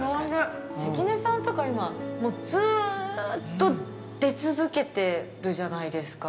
◆関根さんとか、ずっと出続けてるじゃないですか。